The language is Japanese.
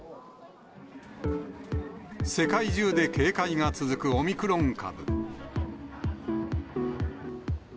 世界中で警戒が続くオミクロン株。